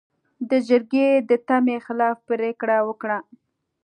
جرګې د تمې خلاف پرېکړه وکړه.